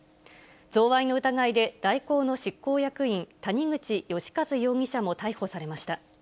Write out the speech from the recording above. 贈賄の疑いで、大広の執行役員、谷口義一容疑者も逮捕されました。